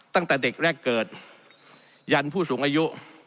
ตั้งแต่เด็กแรกเกิดยันผู้สูงอายุ